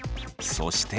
そして。